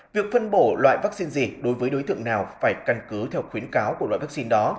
việc phân bổ loại vaccine gì đối với đối tượng nào phải căn cứ theo khuyến cáo của loại vaccine đó